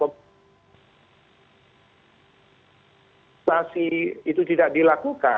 masih itu tidak dilakukan